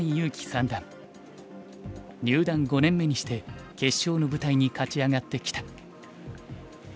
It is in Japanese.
入段５年目にして決勝の舞台に勝ち上がってきた。